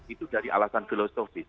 itu dari alasan filosofis